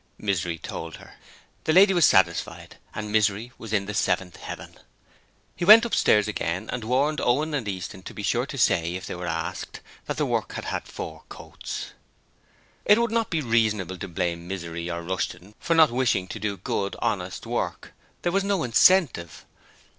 Misery told her. The lady was satisfied, and Misery was in the seventh heaven. Then he went upstairs again and warned Owen and Easton to be sure to say, if they were asked, that the work had had four coats. It would not be reasonable to blame Misery or Rushton for not wishing to do good, honest work there was no incentive.